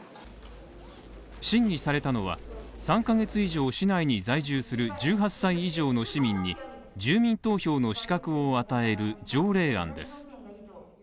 審議されたのは３ヶ月以上市内に在住する１８歳以上の市民に住民投票の資格を与える条例案です